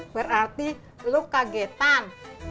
berarti lo kagetan